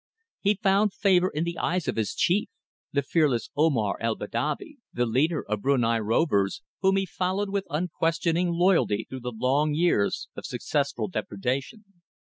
He found favour in the eyes of his chief, the fearless Omar el Badavi, the leader of Brunei rovers, whom he followed with unquestioning loyalty through the long years of successful depredation.